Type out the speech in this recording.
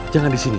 jangan disini ya